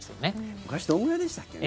昔どのぐらいでしたっけね。